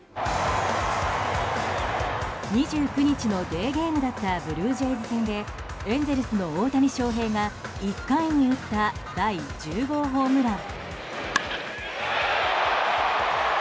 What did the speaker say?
２９日のデーゲームだったブルージェイズ戦でエンゼルスの大谷翔平が１回に打った第１０号ホームラン。